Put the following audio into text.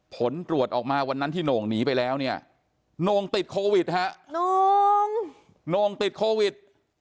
ผลตรวจออกมาวันนั้นที่โน่งหนีไปแล้วเนี่ยโน่งติดโควิดฮะโน่งโน่งติดโควิด